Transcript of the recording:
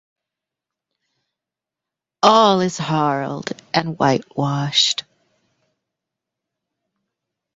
All is harled and whitewashed.